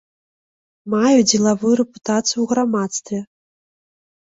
Маю дзелавую рэпутацыю ў грамадстве.